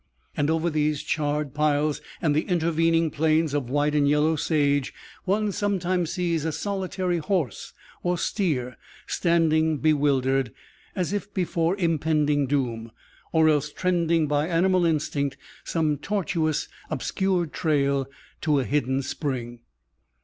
And over these charred piles and the intervening plains of white and yellow sage one sometimes sees a solitary horse or steer standing bewildered, as if before impending doom, or else trending by animal instinct some tortuous, obscured trail to a hidden spring.